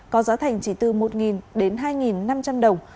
có giá thành chỉ từ một đến hai năm trăm linh đồng